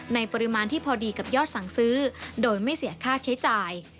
ในปริมาณที่พอดีกับยอดสั่งซื้อโดยไม่เสียค่าใช้จ่าย